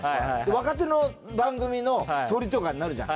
若手の番組のトリとかになるじゃん。